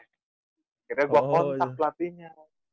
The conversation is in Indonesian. akhirnya gua kontak platinya